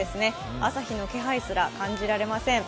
朝日の気配すら感じられません。